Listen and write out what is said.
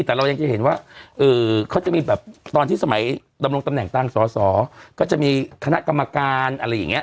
แต่เรายังจะเห็นว่าเขาจะมีแบบตอนที่สมัยดำรงตำแหน่งตั้งสอสอก็จะมีคณะกรรมการอะไรอย่างนี้